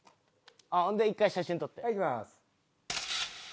ほんで一回写真撮って。